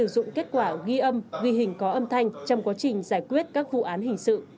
dụng kết quả ghi âm ghi hình có âm thanh trong quá trình giải quyết các vụ án hình sự